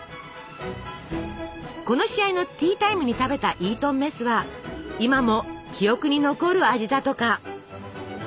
この試合のティータイムに食べたイートンメスは今も記憶に残る味だとか。